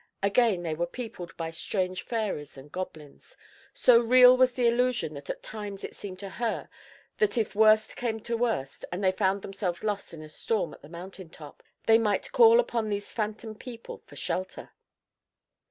Again they were peopled by strange fairies and goblins. So real was the illusion that at times it seemed to her that if worst came to worst and they found themselves lost in a storm at the mountain top, they might call upon these phantom people for shelter.